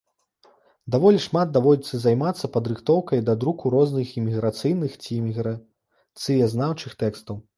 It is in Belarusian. Даволі шмат даводзіцца займацца падрыхтоўкай да друку розных эміграцыйных ці эміграцыязнаўчых тэкстаў.